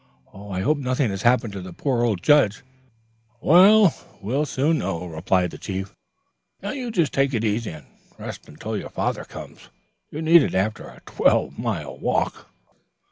Oh, I hope nothing has happened to the poor old judge." "Well, we'll soon know," replied the chief. "Now, you just take it easy and rest until your father comes. You need it after a twelve mile walk.